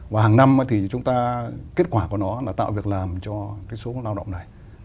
và hàng năm thì chúng ta kết quả của nó là tạo việc làm cho cái số lao động này